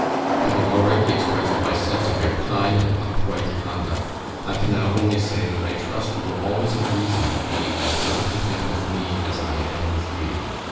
Having already expressed my sense of your kind and upright conduct, I can now only say that I trust you will always have reason to be as well content with me as I am with you.